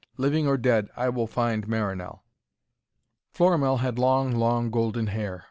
'Living or dead, I will find Marinell.' Florimell had long, long golden hair.